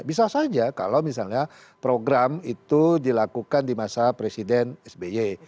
bisa saja kalau misalnya program itu dilakukan di masa presiden sby